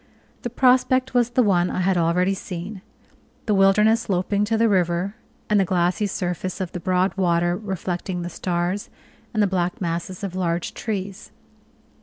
The prospect was the one I had already seen the wilderness sloping to the river, and the glassy surface of the broad water, reflecting the stars, and the black masses of large trees.